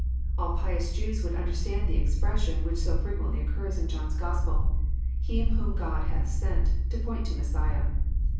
All pious Jews would under stand the expression whieh so frequently occurs in John's Gos pel, He whom God hath sent," to point to Messiah.